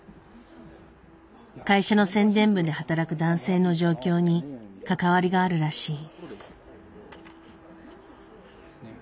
会社の宣伝部で働く男性の状況に関わりがあるらしい。